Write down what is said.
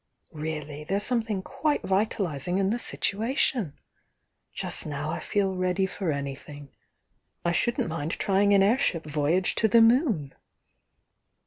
Really, there's something quite vitalising in the situation !— just now I feel ready for anything. I shouldn't mind trying an airship voy age to the moon!"